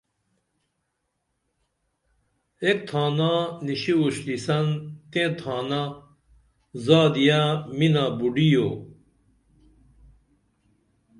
ایک تھانہ نِشی اُروشتی سن تیں تھانہ زادیہ مِنا بوڈییو